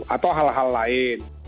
atau hal hal lain